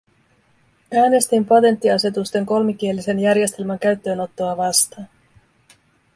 Äänestin patenttiasetusten kolmikielisen järjestelmän käyttöönottoa vastaan.